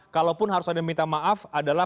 kalaupun harus ada yang minta maaf adalah